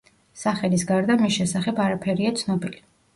სახელის გარდა მის შესახებ არაფერია ცნობილი.